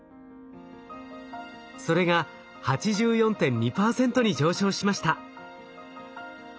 それが８４．２％に上昇しました。